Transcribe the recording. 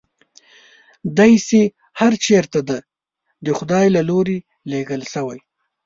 دی چې هر چېرته دی د خدای له لوري لېږل شوی.